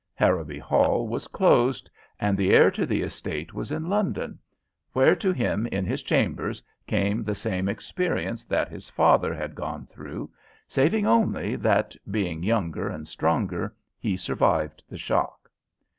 Harrowby Hall was closed, and the heir to the estate was in London, where to him in his chambers came the same experience that his father had gone through, saving only that, being younger and stronger, he survived the shock.